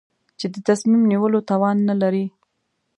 چې د تصمیم نیولو توان نه لري.